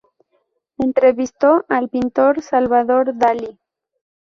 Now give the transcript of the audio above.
Entrevistó al pintor Salvador Dalí.